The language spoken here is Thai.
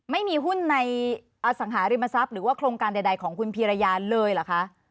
ไม่มีหุ้นในอสังหาริมทรัพย์หรือว่าโครงการใดของคุณพีรยาเลยเหรอคะ